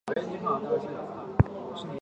湖广孝感县人。